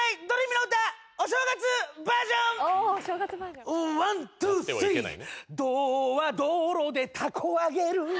「ドは道路でたこ揚げる」